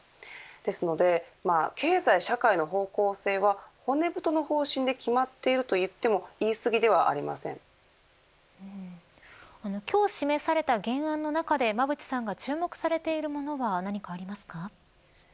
ですので、経済社会の方向性は骨太の方針で決まっていると言っても今日示された原案の中で馬渕さんが注目されているものは何かありますか。